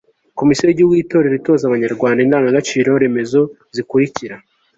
komisiyo y'igihugu y'itorero itoza abanyarwanda indangangaciro remezo zikurikira